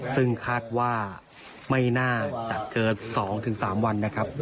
ซึ่งคาดว่าไม่น่าจะเกิน๒๓วันนะครับ